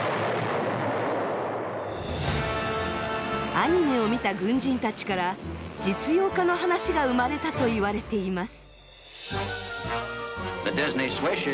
アニメを見た軍人たちから実用化の話が生まれたといわれています。